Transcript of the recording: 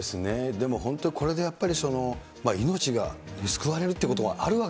でも本当にこれでやっぱりその、命が救われるということがあるわ